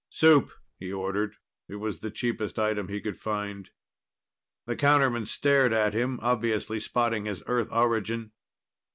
"Soup," he ordered. It was the cheapest item he could find. The counterman stared at him, obviously spotting his Earth origin.